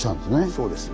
そうです。